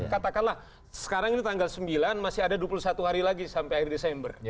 katakanlah sekarang ini tanggal sembilan masih ada dua puluh satu hari lagi sampai akhir desember